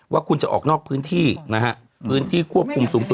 ว่าคุณจะออกนอกพื้นที่นะฮะพื้นที่ควบคุมสูงสุด